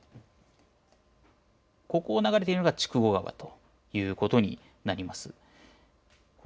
ここから流れ下ってきてここを流れているのが筑後川ということになります。